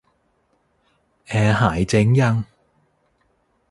แอร์หายเจ๊งยัง